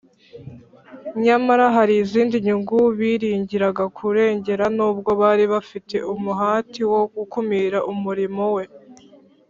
. Nyamara hari izindi nyungu biringiraga kurengera. Nubwo bari bafite umuhati wo gukumira umurimo We,